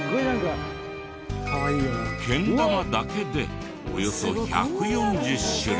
けん玉だけでおよそ１４０種類。